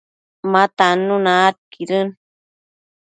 ma tannuna aidquidën